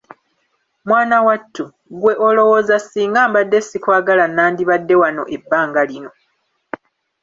Mwana wattu, ggwe olowooza singa mbadde sikwagala nandibadde wano ebbanga lino.